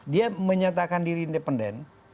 dia menyatakan diri independen